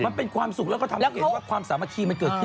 มันเป็นความสุขแล้วก็ทำให้เห็นว่าความสามัคคีมันเกิดขึ้น